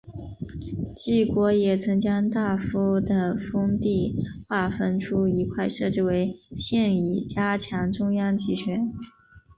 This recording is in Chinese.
晋国也曾将大夫的封地划分出一块设置为县以加强中央集权。